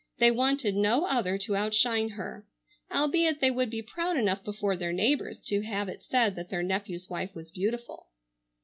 They wanted no other to outshine her. Albeit they would be proud enough before their neighbors to have it said that their nephew's wife was beautiful.